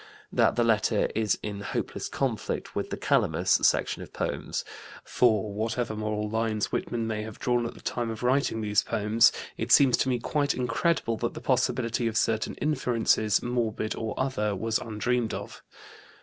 That the letter is in hopeless conflict with the 'Calamus' section of poems. For, whatever moral lines Whitman may have drawn at the time of writing these poems, it seems to me quite incredible that the possibility of certain inferences, morbid or other, was undreamed of.